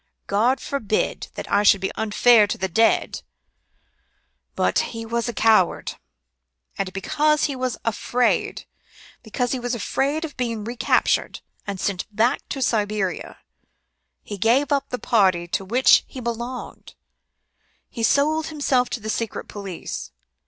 God forbid that I should be unfair to the dead but, he was a coward; and because he was afraid, because he was afraid of being recaptured, and sent back to Siberia, he gave up the party to which he belonged he sold himself to the Secret Police.